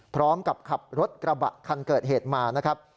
พร้อมกับขับรถกระบะคันเกิดเหตุมานะครับ